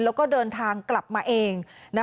แล้วก็เดินทางกลับมาเอง